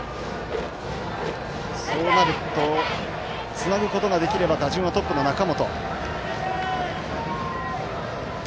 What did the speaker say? つなぐことができれば打順はトップの中本。